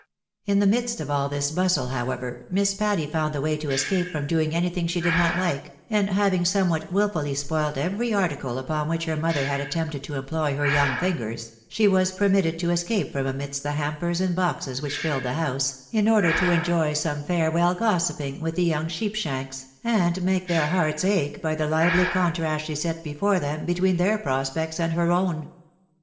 In the midst of all this bustle, however, Miss Patty found the way to escape from doing anything she did not hke, and having somewhat wilfully spoilt every article upon which her mother had attempted to employ her young fingers, she was permitted to escape from amidst the hampers and boxes which filled the house, in order to enjoy some farewell gossiping with the young Sheepshanks, and make their hearts ache by the lively contrast she set before them, between their prospects and her own.